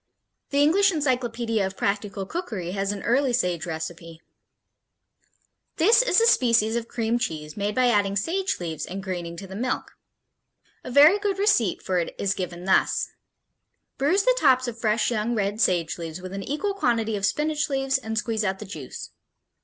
The English Encyclopedia of Practical Cookery has an early Sage recipe: This is a species of cream cheese made by adding sage leaves and greening to the milk. A very good receipt for it is given thus: Bruise the tops of fresh young red sage leaves with an equal quantity of spinach leaves and squeeze out the juice.